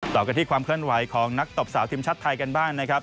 ต่อกันที่ความเคลื่อนไหวของนักตบสาวทีมชาติไทยกันบ้างนะครับ